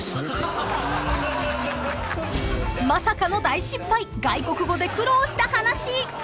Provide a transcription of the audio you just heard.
［まさかの大失敗外国語で苦労した話］